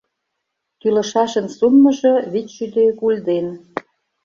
Тӱлышашын суммыжо — вичшӱдӧ гульден.